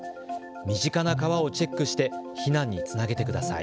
身近な川をチェックして避難につなげてください。